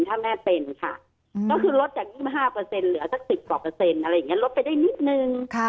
อืมก็คือลดจาก๒๕เปอร์เซ็นต์เหลือสักสิบกว่าเปอร์เซ็นต์อะไรอย่างเงี้ยลดไปได้นิดนึงค่ะ